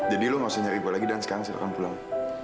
jadi lo nggak usah nyari gue lagi dan sekarang silahkan pulang